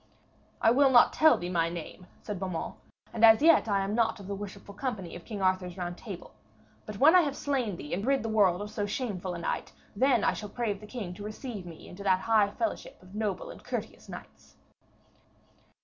'I will not tell thee my name,' said Beaumains. 'And as yet I am not of the worshipful company of King Arthur's Round Table. But when I have slain thee and rid the world of so shameful a knight, then shall I crave the king to receive me into that high fellowship of noble and courteous knights.'